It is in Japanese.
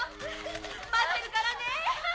待ってるからね！